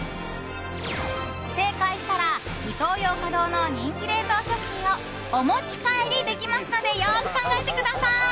正解したら、イトーヨーカドーの人気冷凍食品をお持ち帰りできますのでよく考えてください！